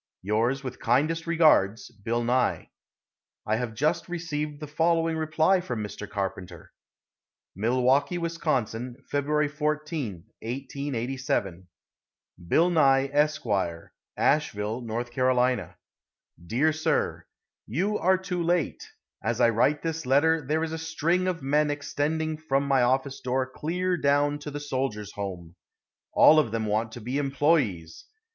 Yours with kindest regards, BILL NYE. I have just received the following reply from Mr. Carpenter: MILWAUKEE, Wis., Feb. 14, 1887. Bill Nye, Esq., Asheville, N. C. Dear Sir: You are too late. As I write this letter, there is a string of men extending from my office door clear down to the Soldiers' Home. All of them want to be employes.